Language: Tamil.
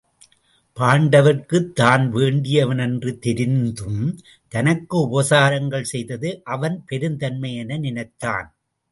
பாண்ட வர்க்குத் தான் வேண்டியவன் என்று தெரிந்தும் தனக்கு உபசாரங்கள் செய்தது அவன் பெருந்தன்மை என நினைத்தான்.